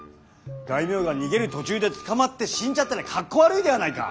大名が逃げる途中で捕まって死んじゃったら格好悪いではないか。